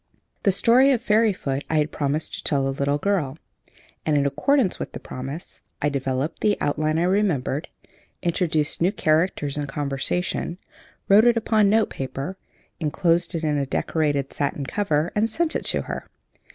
The story of Fairyfoot I had promised to tell a little girl; and, in accordance with the promise, I developed the outline I remembered, introduced new characters and conversation, wrote it upon note paper, inclosed it in a decorated satin cover, and sent it to her.